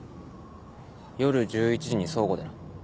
夜１１時に倉庫でな。